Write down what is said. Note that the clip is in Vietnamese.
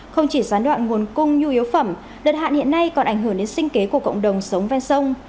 không chỉ gián đoạn nguồn cung nhu yếu phẩm đợt hạn hiện nay còn ảnh hưởng đến sinh kế của cộng đồng sống ven sông